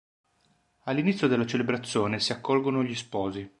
All'inizio della celebrazione si accolgono gli sposi.